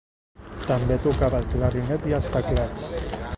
També tocava el clarinet i els teclats.